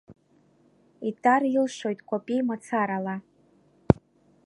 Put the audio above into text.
Итар илшоит кәапеи мацарала.